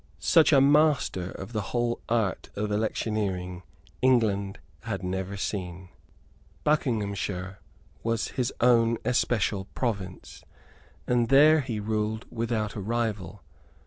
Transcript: Such a master of the whole art of electioneering England had never seen. Buckinghamshire was his own especial province; and there he ruled without a rival.